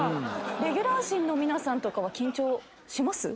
レギュラー陣の皆さんとかは緊張します？